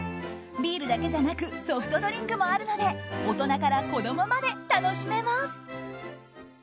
ビールだけじゃなくソフトドリンクもあるので大人から子供まで楽しめます。